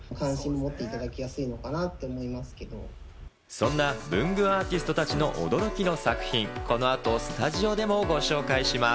そんな文具アーティストたちの驚きの作品、この後スタジオでもご紹介します。